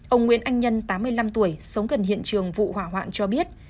ông nguyễn anh nhân tám mươi năm tuổi sống gần hiện trường vụ hỏa hoạn cho biết